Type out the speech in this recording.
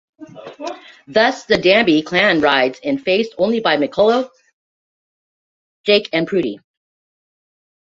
Thus, the Danby clan rides in faced only by McCullough, Jake, and Prudy.